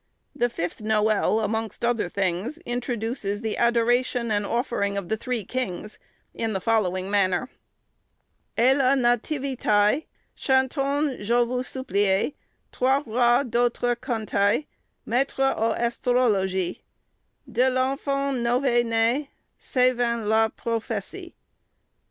The fifth noël, amongst other things, introduces the adoration and offering of the Three Kings, in the following manner. "Ai lai Nativitati, Chanton, je vo suplie, Troi Roi d'autre contai, Moitre au estrôlôgie, De l'anfan nôvea nai Saivein lai prôfecie.